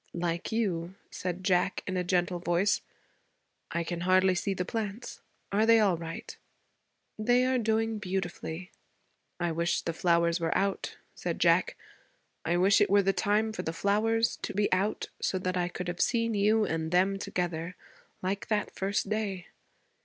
'Like you,' said Jack in a gentle voice. 'I can hardly see the plants. Are they all right?' 'They are doing beautifully.' 'I wish the flowers were out,' said Jack. 'I wish it were the time for the flowers to be out, so that I could have seen you and them together, like that first day.'